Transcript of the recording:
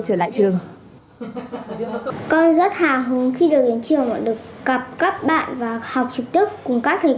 trở lại trường con rất hào hứng khi được đến trường và được gặp các bạn và học trực tức cùng các thầy